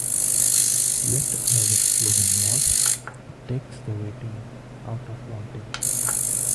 Yet another slogan was "It takes the waiting out of wanting".